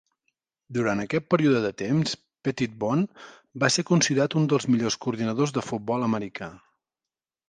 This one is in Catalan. Durant aquest període de temps, Petitbon va ser considerat un dels millors coordinadors del futbol americà.